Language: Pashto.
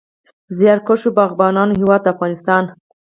د زیارکښو باغبانانو هیواد افغانستان.